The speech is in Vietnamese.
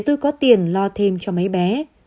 để tôi có tiền lo thêm cho mấy bé